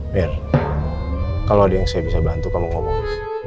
biar kalau ada yang saya bisa bantu kamu ngomong